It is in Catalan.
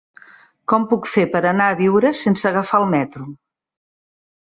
Com ho puc fer per anar a Biure sense agafar el metro?